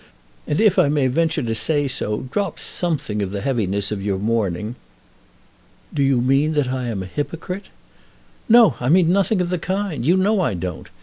And, if I may venture to say so, drop something of the heaviness of your mourning." "Do you mean that I am a hypocrite?" "No; I mean nothing of the kind. You know I don't.